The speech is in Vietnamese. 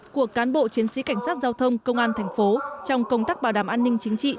của cán bộ chiến sĩ cảnh sát giao thông công an thành phố trong công tác bảo đảm an ninh chính trị